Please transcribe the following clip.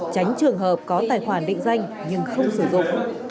tránh trường hợp có tài khoản định danh nhưng không sử dụng